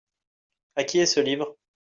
À qui est ce livre ?